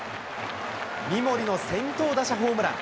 三森の先頭打者ホームラン。